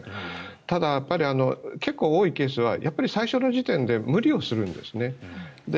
ただ、結構多いケースは最初の時点で無理をするんですね。